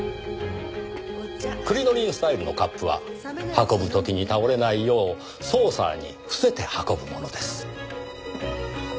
クリノリン・スタイルのカップは運ぶ時に倒れないようソーサーに伏せて運ぶものです。